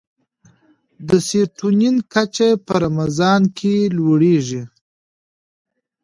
د سیرټونین کچه په رمضان کې لوړېږي.